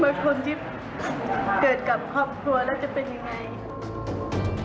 คนที่เกิดกับครอบครัวแล้วจะเป็นยังไง